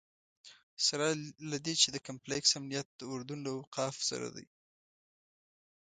سره له دې چې د کمپلکس امنیت د اردن له اوقافو سره دی.